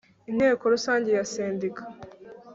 n Inteko Rusange ya Sendika